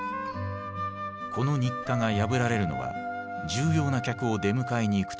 この日課が破られるのは重要な客を出迎えに行く時だけ。